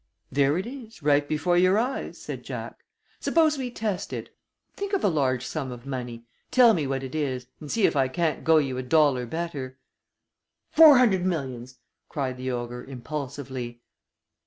"There it is, right before your eyes," said Jack. "Suppose we test it. Think of a large sum of money, tell me what it is, and see if I can't go you a dollar better." "Four hundred millions!" cried the ogre, impulsively.